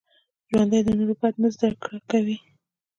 ژوندي د نورو بد نه زده کړه کوي